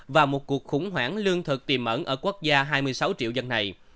và một cuộc khủng hoảng lương thực tìm ẩn ở quốc gia hai mươi sáu triệu dân này